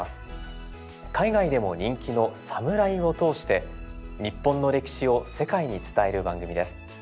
海外でも人気の「サムライ」を通して日本の歴史を世界に伝える番組です。